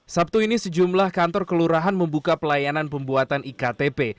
sabtu ini sejumlah kantor kelurahan membuka pelayanan pembuatan iktp